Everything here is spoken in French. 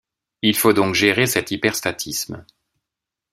Il faut donc gérer cet hyperstatisme.